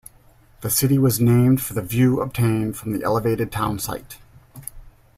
The city was named for the view obtained from the elevated town site.